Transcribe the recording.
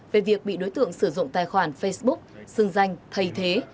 về việc bị đối tượng sử dụng tài khoản facebook xưng danh thầy thế